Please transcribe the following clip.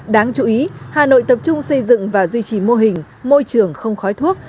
đáng chú ý hà nội tập trung xây dựng và duy trì mô hình môi trường không khói thuốc